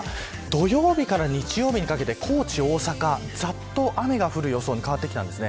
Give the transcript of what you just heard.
土曜日から日曜日にかけて高知、大阪は、ざっと雨が降る予想に変わってきました。